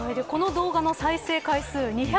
この動画の再生回数